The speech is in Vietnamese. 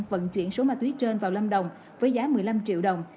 vận chuyển số ma túy trên vào lâm đồng với giá một mươi năm triệu đồng